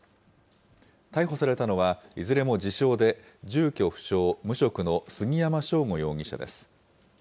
逮捕されたのは、いずれも自称で住居不詳、無職の杉山翔吾容疑者です。